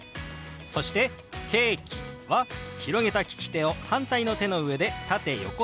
そして「ケーキ」は広げた利き手を反対の手の上で縦横と動かします。